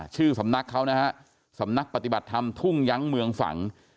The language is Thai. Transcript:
ชื่อสำนักเขานะฮะสำนักปฏิบัติธรรมทุ่งยั้งเมืองฝัง